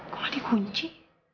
kok ada kunci